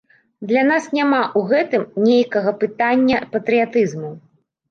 Для нас няма ў гэтым нейкага пытання патрыятызму.